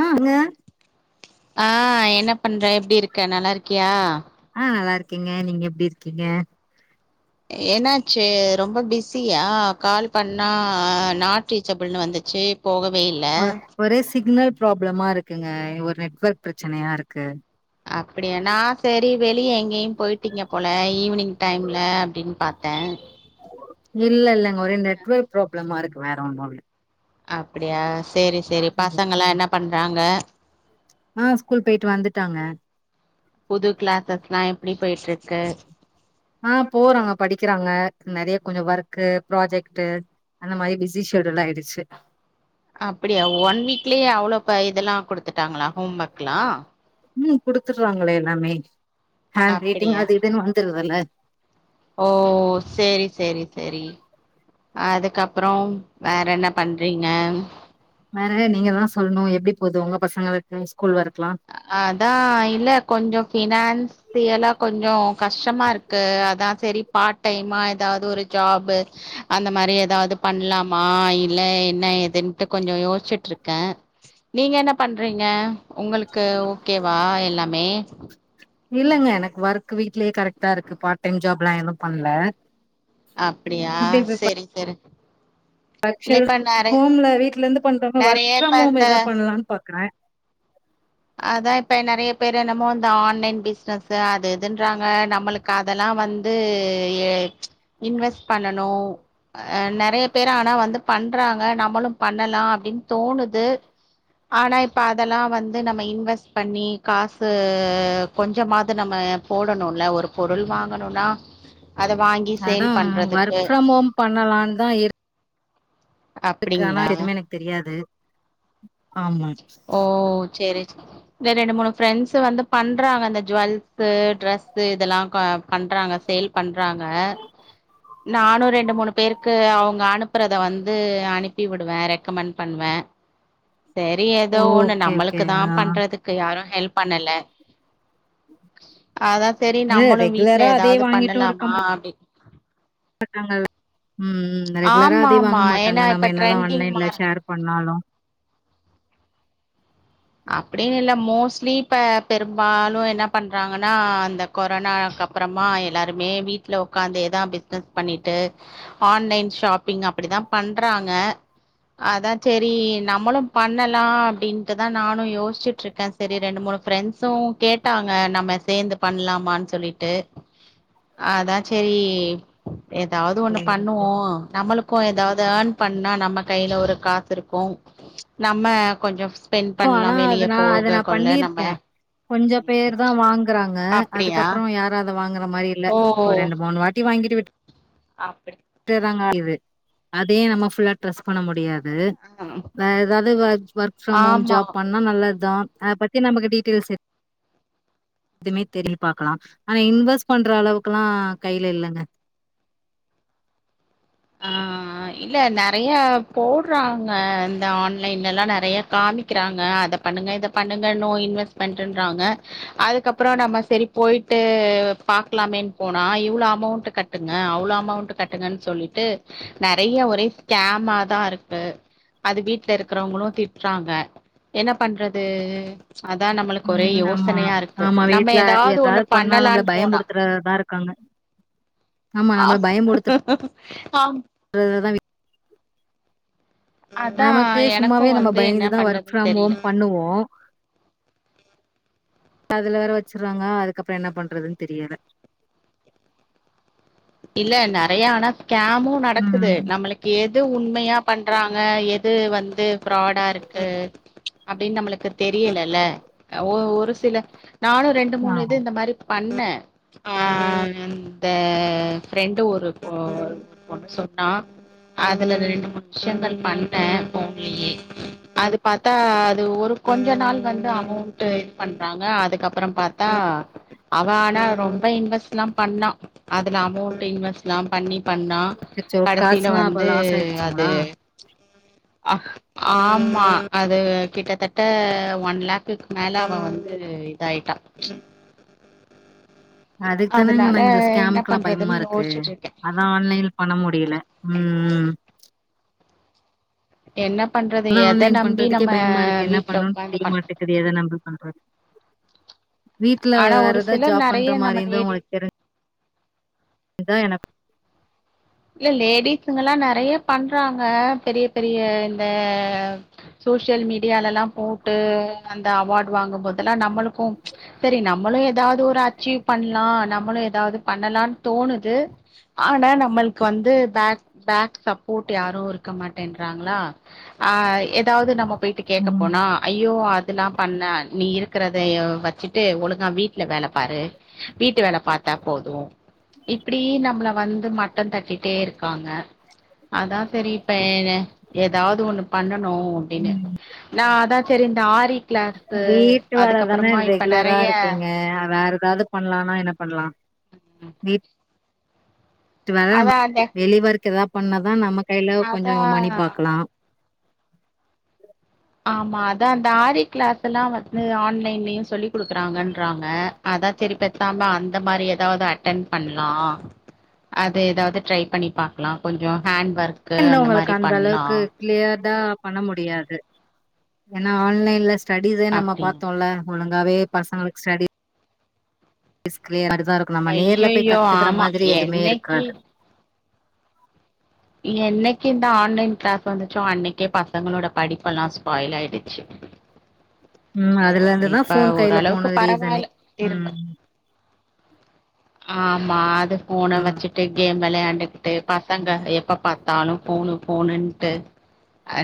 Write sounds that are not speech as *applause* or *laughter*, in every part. ஆ அங்க ஆ என்ன பண்ற எப்டி இருக்க நல்லாருக்கியா ஆ நல்லாருக்கேங்க நீங்க எப்டி இருக்கீங்க என்னாச்சு ரொம்ப பிஸியா கால் பண்ணா நாட் ரீச்சபிள்னு வந்துச்சு போகவே இல்ல ஒ ஒரே சிக்னல் ப்ராப்ளமா இருக்குங்க ஒரு நெட்வொர்க் பிரச்சனையா இருக்கு அப்டியா நா செரி வெளிய எங்கேயு போயிட் டிங்க போல ஈவினிங் டைம்ல அப்டின்னு பாத்த இல்ல இல்லங்க ஒரே நெட்வொர்க் ப்ராப்ளமா இருக்கு வேற ஒன்னு இல்ல அப்டியா சேரி சேரி இல்ல பசங்கல்லா என்ன பண்றாங்க ஆ ஸ்கூல் போயிட்டு வந்துட்டாங்க புது கிளாஸ்ஸஸ்லா எப்டி போயிட்ருக்கு ஆ போறாங் படிக்கிறாங்க நெறைய கொஞ்ச வொர்க்கு ப்ராஜெக்டு அந்த மாரி பிஸி ஷெட்யூல் ஆயிடுச்சு அப்டியா ஒன் வீக்லயே அவ்ளோ ப இதெல்லா கொடுத்துட்டாங்களா ஹோம் ஒர்க்லா ம் குடுத்துடுறாங்களே எல்லாமே ஹேண்ட் ரேட்டிங் அப்டியா அது இதுன்னு வந்துருதுல்ல ஓ செரி செரி செரி அதுக்கப்றோ வேற என்ன பண்றீங்க வேற நீங்க தா சொல்னு எப்டி போகுது உங்க பசங்களுக்கு ஸ்கூல் ஒர்க்கலா அதா இல்ல கொஞ்சோ ஃபினான்ஸ் தி எலா கொஞ்சோ கஷ்டமா இருக்கு அதா சரி பாட் டைமா எதாவது ஒரு ஜாப்பு அந்த மாரி எதாவது பண்லாமா இல்ல என்ன ஏதுன்ட்டு கொஞ்சொ யோச்சுட்டு இருக்கே நீங்க என்ன பண்றீங்க உங்களுக்கு ஓகேவா எல்லாமே இல்லங்க எனக்கு ஒர்க் வீட்லேயே கரெக்டா இருக்கு பார்ட் டைம் ஜாப்ல்லா எதுவு பண்ல அப்டியா செரிங் செரிங் ஆக்சுவல் ஹோம்ல வீட்ல இருந்து பண்றமா ஒர்க் நெறைய ஃப்ரம் இப்ப ஹோம் இந்த எதாவது பண்ணலான் பாக்குறே அதா இப்ப நெறைய பேர் என்னமோ இந்த ஆன்லைன் பிஸ்னஸ் அது இதுன்றாங்க நம்மளுக் அதெல்லா வந்து இன்வெஸ்ட் பண்ணனு அ நெறைய பேர் ஆனா வந்து பண்றாங்க நம்மளு பண்ணலா அப்டின் தோணுது ஆனா இப்ப அதெல்லா வந் து நம்ம இன்வெஸ்ட் பண்ணி காசு கொஞ்சமாது நம்ம போடணுல்ல ஒரு பொருள் வாங்கணுன்னா அத வாங் அதா ஒர்க் ஃப்ரம் ஹோம் பண்ணலான் தா இரு இருக்கு ஆனா அப்டிங்களா எதுமே எனக்கு தெரியாது ஆமா ஓ சேரி சே இல்ல ரெண்டு மூனு ஃப்ரெண்ட்ஸ்ஸு வந்து பண்றாங்க அந்த ஜுவல்ஸு ட்ரெஸ்ஸு இதெல்லா பண்றாங்க சேல் பண்றாங்க நானும் ரெண்டு மூனு பேருக்கு அவுங்க அனுப்புறத வந்து அனுப்பி வுடுவே ரெக்கமெண்ட் பண்ணுவே சேரி ஏதோ ஒன்னு ஓகே ஓகே நம்மளுக்கு தான் ஆ பண்றதுக்கு யாரு ஹெல்ப் பண்ணல அதா சேரி இல்ல நம்மளு ரெகுலரா வீட்ல அதே எதாவது வாங்கிட்டு இருக்க பண்ணலாமா மா அப்டி *inaudible* ம் ரெகுலரா ஆமா அதே ஆமா வாங்க மாட்டாங்க ஏன்னா இப்ப நம்ம என்னதா ட்ரெண்டிங் ஆன்லைன்ல மார் ஷேர் பண்ணாலு அப்டின்னு இல்ல மோஸ்ட்லி இப்ப பெரும்பாலு என்ன பண்றாங்கனா அந்த கொரோனாக்கு அப்புறமா எல்லாருமே வீட்ல உக்காந்தேதா பிஸ்னஸ் பண்ணிட்டு ஆன்லைன் ஷாப்பிங் அப்டிதா பண்றாங்க அதா சேரி நம்மளு பண்ணலா அப்டின்டு தா நானு யோசிச்சுட் இருக்கே சரி ரெண்டு மூனு ஃப்ரெண்ட்ஸு கேட்டாங்க நம்ம சேந்து பண்லாமான் சொல்லி டு அதா சேரி எதாவது ஒன்னு ம் பண்ணுவோ நம்மளுக்கு எதாவது ஏர்ன் பண்ணா நம்ம கையில ஒரு காசு இருக்கு நம்ம கொஞ்ச ஸ்பெண்ட் பண்லா ஆனா அது வெளியே நா அது போக நா கொள்ள நம்ம பண்ணிருக்கே கொஞ்ச பேர் தா வாங்குறாங்க அப்டியா அதுக்கப்புற யாரு அத வாங்குற மாரி இல்ல ஓ ஒரு ரெண்டு மூனு வாட்டி வாங்கிட்டு விட் ஆப்பிடி டுர்றாங்க *unintelligible* அதே நம்ம புல்லா ட்ரெஸ் பண்ண முடியாது வேற எதாது ஒர்க் ஒர்க் ஃப்ரம் ஹோம் ஆமா ஜாப் பண்ணா நல்லதுதா அத பத்தி நமக்கு டீட்டெல்ஸு எதுவுமே தெரிய பாக்கலா ஆனா இன்வெஸ்ட் பண்ற அளவுக்கெல்லா கையில இல்லங்க ஆ இல்ல நெறைய போட்றாங்க இந்த ஆன்லைன்லல்லா நெறைய காமி க்கிறாங்க அத பண்ணுங்க இத பண்ணுங்க நோ இன்வெஸ்ட்மெண்ட்ன்றாங்க அதுக்கப்புற நம்ம சரி போய்ட்டு பாக்கலாமேன் போனா இவ்ளோ அமௌண்ட் கட் டுங்க அவ்ளோ அமௌண்ட் கட்டுங்கன் சொல்லிட்டு நெறைய ஒரே ஸ்கேம்மா தா இருக்கு அது வீட்ல இருக்கறவங்களு திட்றாங்க என்ன பண்றது அதா நம்மளுக்கு ஒரே ம் ஆமா. யோசனையா இருக்கு ஆமா நம்ம வீட்ல எதாவது ஏதாவது ஒன்னு பண்ணா நம்மள பண்ணலான் போனா *unintelligible* இருக்காங்க ஆமா ஆ நம்மள பயம் புடுத் ஆம் *unintelligible* அதா நமக்கு எனக்கு சும்மாவே நம்ம வந்து என்ன பயந்துதா ஒர்க் பண்றதுன்னு ஃப்ரம் தெரியல ஹோம் பண்ணுவோ அதுல வேற வச்சிருவாங்க அதுக்கப்புற என்ன பண்றதுன்னு தெரியல இல்ல நெறைய ஆனா ஸ்கேமு நடக்குது ம். நம்மளுக் எது உண்மையா பண்றாங்க எது வந்து ஃப்ராடா இருக்கு அப்டின்னு நம்மளுக்கு தெரியலல்ல ஒரு சில நானு ரெண்டு ஆ மூணு இது இந்த மாதிரி பண்ணே ஆ இந்த பிரெண்டு ஒரு பொண்ணு சொன்னா அதுல ரெண்டு மூனு விஷயங்கள் பண்ணே போன்லயே அது பாத்தா அது ஒரு கொஞ்சோ நாள் வந்து அமௌண்ட் இது பண்றாங்க அதுக்கப்புறோ பாத்தா அவ ஆனா ரொம்ப இன்வெஸ் எல்லா பண்ணா அதுல அமௌண்ட் இன்வெஸ்ல்லா பண்ணி பண்ணா அச்சச்சோ! கடைசில காசுலாம் அப்ப வந்து லாஸ் அது ஆயிடுச்சுங்களா? ஆ ஆமா அது கிட்டத்தட்ட ஒன் லேக்குக்கு மேல அவ வந்து இதாயிட்டா அதுக்கு தானே எங்க அதனால ந இந்த என்ன ஸ்கேமுக்கு எல்லா பயமா பண்றதுன்னு இருக்கு யோசிச்சுட்டு இருக்கே நா ஆன்லைன் பண்ண முடியல உ என்ன பண்றது ஆதா எத ஆன்லைன் நம்பி பண்றதுக்கே நம்ம பயமா இருக்கு என்ன வீட்ல பண்ணுன்னு உக்காந்து தெரிய பண் மாட்டேகுது ஏத நம்பி பண்றது வீட்ல ஆனா வேற ஒரு எதாவது சிலர் ஜாப் நெறைய பண்ற மாரி நம்ம ஏது லேடிஸ் உங்களுக்கு தெரிஞ்ச இதா எனக்கு இல்ல லேடிஸுங்கல்லா நெறைய பண்றாங்க பெரிய பெரிய இந்த சோசியல் மீடியாலல்லா போட்டு அந்த அவார்டு வாங்கு போதெல்லா நம்மளுக்கு சேரி நம்மளு எதாவது ஒரு அச்சீவ் பண்ணலா நம்மளு எதாவது பண்ணலான்னு தோணுது ஆனா நம்மளுக்கு வந்து பேக் பேக் சப்போர்ட் யாரு இருக்க மாட்டேன்றாங்களா ஆ எதாவது நம்ம போயிட்டு கேக்க ம். போனா ஐயோ அதெல்லா பண்ண நீ இருக்கிறத வச்சுட்டு ஒழுங்கா வீட்டுல வேலைப் பாரு வீட்டு வேல பாத்தா போது இப்டி நம்மள வந்து மட் டம் தட்டிட்டே இருக்காங்க அதா தெரியு இப்ப என் ஏதாவது ஒன்னு பண்ணணு அப்டின்னு நா அதா செரி இந்த ஆரி கிளாஸு வீட்டு வேல தான அதுக்கப்புறமா இப்ப ரெகுலரா நெறைய இருக்கீங்க வேற ஏதாவது பண்ணலானா என்ன பண்ணலா நீ வேர நம்ம அதா அந்த வெளிவோர்க்க ஏதாவ பண்ணாதா நமக்கு கையில அதா கொஞ்சோ மணி பாக்கலா ஆமா அதா அந்த ஆரி கிளாஸ் எல்லா வந்து ஆன்லைன்லயு சொல்லி குடுக்குறாங்கன்றாங்க அதா சேரி பேசாம அந்த மாரி ஏதாவது அட்டன் பண்ணலா அது எதாவது ட்ரை பண்ணி பாக்கலாம் கொஞ்சோ கேண்ட் ஒர்க் ன்னு உங்களுக்கு அந்த அளவுக்கு கிளியர் டா பண்ண முடியாது ஏன்னா ஆன்லைன்ல ஸ்டடிஸே நம்ம அப்டின்னு பாத்தோம்ல ஒழுங்காவே பசங்களுக் ஸ்டடி ளியர் அடிதா இருக்கு நம்ம நேர்ல போய் ஐயையோ கத்துக்கற ஆமா மாரி எதுமே என்னைக்கு இருக்காது என்னைக்கு இந்த ஆன்லைன் கிளாஸ் வந்துச்சோ அன்னைக்கே பசங்களோட படிப்பு எல்லா ஸ்பாயில் ஆயிடுச்சு உ அதுல இருந்துதா இப்ப போன் கையில ஓரளவுக்கு போன ரீசனே பரவாயில்ல உ திரும்ப ஆமா அது போன வச்சுட்டு கேம் விளையாண்கிட்டு பசங்க எப்ப பாத்தாலு போணு போணுன்ட்டு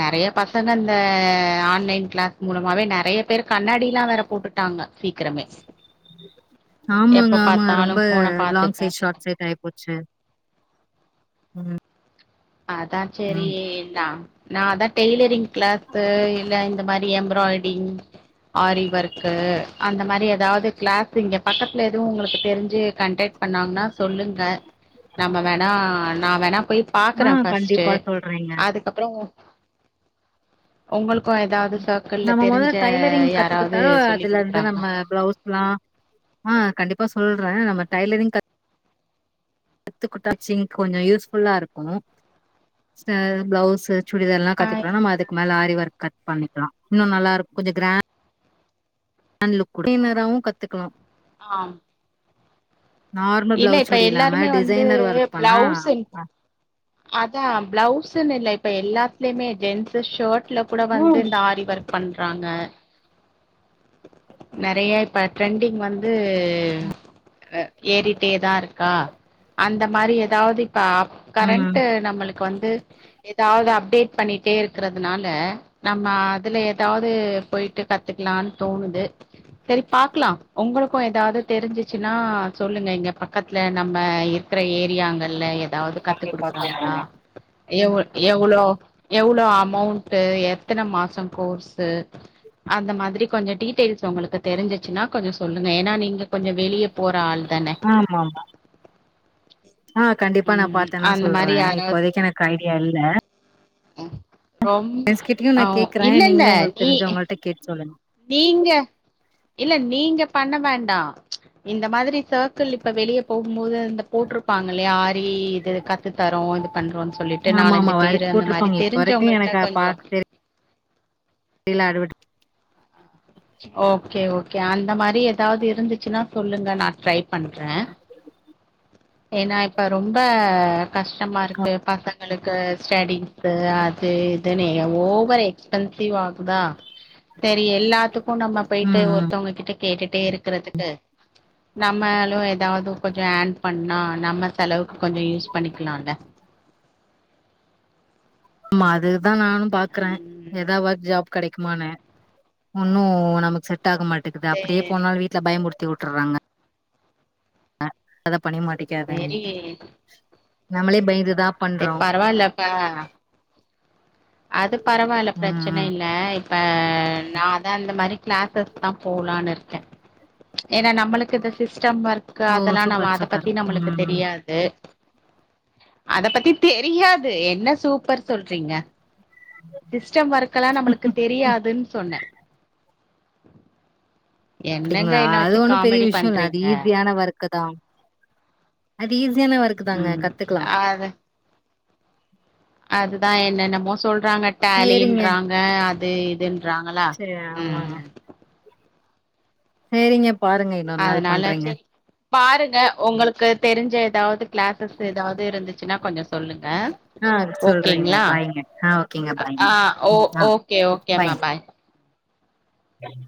நெறைய பசங்க இந்த ஆன்லைன் கிளாஸ் மூலமாவே நெறைய பேரு கண்ணாடில்லா வேற போட்டுட்டாங்க சீக்கிரமே ஆமாங்க எப்ப ஆமாங்க ரொம்ப பார்த்தாலும் போனை பார்த்து லாங் சைட் பார்த்து ஷார்ட் சைட் ஆயி போச்சு உ அதா சேரினா நா அதா டெய்லரிங் கிளாஸு இல்ல இந்த மாரி எம்பிராய்ட்ரிங் ஆரி ஒர்க்கு அந்த மாரி எதாவ்து கிளாஸ் இங்க பக்கத்துல எதுவு உங்களுக்கு தெரிஞ்சு கன்டேக்ட் பண்ணாங்ன்னா சொல்லுங்க நம்ம வேணா நா வேணா போய் பா ஆ க்குறே ஃபர்ஸ்ட்டு கண்டிப்பா சொல்றேங்க. அதுக்கப்றோ உங்களுக்கு எதாவ்து சர்க்கிள்ல நம்ம தெரிஞ்ச மொதல்ல டைலரிங் யாராவ்து கத்துக்கிட்டா, சொல்லி அதுலருந்து குடுக்றாங்ளா நம்ம *unintelligible* ஆ கண்டிப்பா சொல்றே நம்ம டெய்லரிங் கத் த்துக்குட்டாச்சிங் கொஞ்சோ யூஸ் ஃபுல்லாருக்கு ச பிளவுஸு சுடிதார்லா ஆ கத்துக்லா நம்ம அதுக்கு மேல ஆரி ஒர்க் கட் பண்ணிக்லா இன்னு நல்லாருக்கு கொஞ்சோ கிரா ன்ட் லுக் குடு டினராவு கத்துக்லா ஆம் நார்மல் பிளவுஸ் இப்ப சுடி இல்லாம எல்லாருமே வந்து டிசைனர் ஒர்க் பண்ணா பிளவுஸ் அ அதா பிளவுஸுனில்ல இப்ப எல்லாத்லமே ஜென்ஸூ ஷர்ட்ல கூட வந்து ம் இந்த ஆரி வொர் பண்றாங்க நறைய இப்ப ட்ரெண்டிங் வந் து அ ஏறிட்டே தா இருக்கா அந்த மாரி எதாவ்து இப்ப அப் கரன்ட் ம் நம்மளுக்கு வந்து எதாவ்து அப்டேட் பண்ணிட்டே இருக்றதுனால நம்ம அதுல எதாவ்து போய்ட்டு கத்துக்லான் தோணுது செரி பாக்லா உங்ளுக்கு எதாவ்து தெரிஞ்சிச்சுன்னா சொல்லுங்க இங்க பக்கத்துல நம்ம இ க்ற ஏரியாங்கள்ல எதாவ்து கத்து கண்டிப்பா குடுக்றாங்ளா சொல்றேங்க. எவ் எவ்ளோ எவ்ளோ அமௌண்ட்டு எத்தன மாசோ கோர்ஸு அந்த மாதிரி கொஞ்சோ டீட்டெயில்ஸ் ஒங்களுக்கு தெரிஞ்சிச்சுன்னா கொஞ்சோ சொல்லுங்க ஏனா நீங்க கொஞ்சோ வெளிய போற ஆள் தானே ஆமா. ஆ கண்டிப்பா நா ம் பாத்தேனா அந்த மாரி சொல்றே யாராவது இப்போதக்கி எனக்கு ஐடியா இல்ல ரொம் ஃப்ரெண்ட்ஸ் ஆ இல்லல்ல நீ ட்ட கேட் சொல்லனு நீங்க இல்ல நீங்க பண்ண வேண்டா இந்த மாதிரி சர்க்கிள் இப்ப வெளிய போம்போது அந்த போட்ருப்பாங்கல்லயா ஆரி இது க த்து தரோ இது பண்றோன் சொல்லிட்டு ஆமா ஆமா நாலஞ்சு பேரு வர்க் அந்த மாரி போட்ருப்பாங்க இப்ப வரைக்கு தெரிஞ்சோங்கள்ட்ட எனக்கு கொஞ்சோ எல்லார் வீ ஓகே ஓகே அந்த மாரி எதாவ்து இருந்துச்சுன்னா சொல்லுங்க நா ட்ரை பண்றே ஏனா இப்ப ரொம்ப கஷ்டமாருக்கு பசங் ங்களுக்கு ஸ்டடிஸு அ துக்கு தெனயு ஓவர் எக்ஸ்பென்சிவ் ஆகுதா செரி எல்லாத்து சும்மா போய்ட்டு ம் ம் ஒருத்தோங்க கிட்ட கேட்டுட்டே இருக்றதுக்கு நம்மளு எதாவ்து கொஞ்சோ ஏர்ன் பண்ணா நம்ம செலவுக்கு கொஞ்சோ யூஸ் பண்ணிக்லால ஆமா அது தா நானு பாக்குறே ம் எதா ஒர்க் ஜாப் கெடைக்குமானு ஒன்னு நமக்கு செட் ஆக மாட்டேக்கிது அப்டியே சேரி போனாலு வீ ட்ல பயமுருத்தி வுட்டுறாங்க அத பண்ணி மாட்டிக்காதனு சேரி நம்ளே பய்ந்து தா ஏ பரவால்லப்பா அது பரவால்ல ம் ம் பிரச்சனயில்ல இ ப்ப நா அதா இந்த மாரி கிளாஸஸ் தா போலான் இருக்கே ஏனா நம்ளுக்கு இந்த சிஸ்டம் ஒர்க்கு ஓ அதெல்லா நம்ம சூப்பர் அத சூப்பர் பத்தி நம்மளுக்கு ம் தெரியா து அத பத்தி தெரியாது என்ன சூப்பர் சொல்றீங்க உ சிஸ்டம் ஒர்க்கலா நம்மளுக்கு தெரியாதுன் சொன்னே என்னங்க அப்டிங்ளா என்ன அது வச்சு ஒன்னு பெரிய காமெடி விஷ்யோ இல்ல அது பண்றீங்க? ஈஸியான ஒர்க்கு தா அது ஈஸியான ஒர்க் க்குதாங்க ம். கத்துக்கலா அதுதா என்னென்னமோ சொல்றாங்க சேரிங்க டாலின்றாங்க அது இதுன்றாங்களா சரி ம் ஆமாங்க ம் சேரிங்க பாருங்க இன்னொரு நாள் அதனால பண்றேங்க செரி பாருங்க ஒங்களுக்கு தெரிஞ்ச எதாவ்து கிளாஸஸ் எதாவ்து இருந்துச்சுனா கொஞ்ச சொல்லுங்க ஆ சொல்றேங்க ஓகேங்ளா பாய்ங்க ஆ ஓகேங்க அ பாய்ங்க ஆ ஓ ம் ஆ ஓகே ஓகேமா பாய் ஆம்